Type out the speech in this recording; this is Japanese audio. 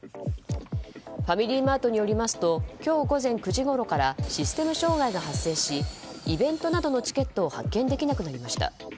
ファミリーマートによりますと今日午前９時ごろからシステム障害が発生しイベントなどのチケットを発券できなくなりました。